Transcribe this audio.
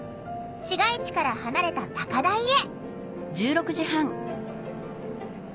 市街地から離れた高台へ。